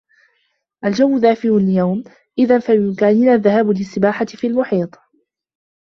الجو دافئ اليوم، آذا فبإمكاننا الذهاب للسباحة في المحيط.